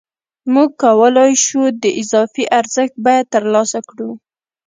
موږ کولای شو د اضافي ارزښت بیه ترلاسه کړو